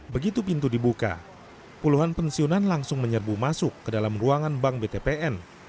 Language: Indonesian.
begitu pintu dibuka puluhan pensiunan langsung menyerbu masuk ke dalam ruangan bank btpn